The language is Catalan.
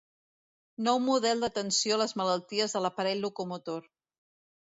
Nou model d'atenció a les malalties de l'aparell locomotor.